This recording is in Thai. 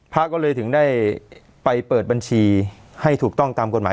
พระก็เลยถึงได้ไปเปิดบัญชีให้ถูกต้องตามกฎหมาย